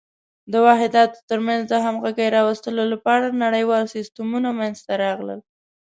د واحداتو تر منځ د همغږۍ راوستلو لپاره نړیوال سیسټمونه منځته راغلل.